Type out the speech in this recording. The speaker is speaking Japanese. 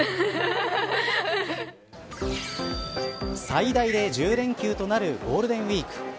最大で１０連休となるゴールデンウイーク。